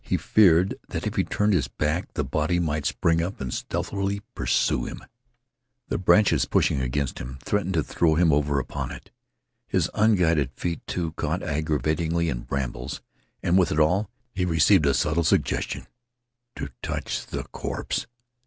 He feared that if he turned his back the body might spring up and stealthily pursue him. The branches, pushing against him, threatened to throw him over upon it. His unguided feet, too, caught aggravatingly in brambles; and with it all he received a subtle suggestion to touch the corpse.